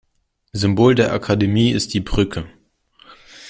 Symbol der Akademie ist die "Brücke".